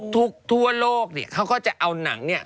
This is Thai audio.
ทุกทั่วโลกเขาก็จะเอาหนัง